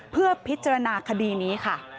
เพื่อพิจารณาคดีนี้ค่ะ